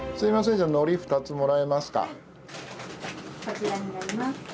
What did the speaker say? こちらになります。